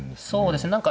そうですね。